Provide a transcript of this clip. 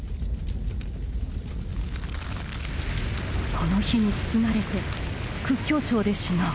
「この火に包まれて究竟頂で死のう」